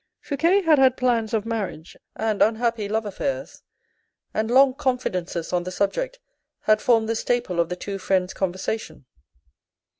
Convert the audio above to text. Fouque had had plans of marriage, and unhappy love affairs, and long confidences on this subject had formed the staple of the two friends' conversation.